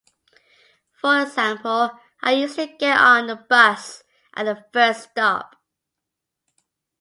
For example, "I usually get on the bus at the first stop."